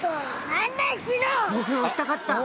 「僕が押したかった！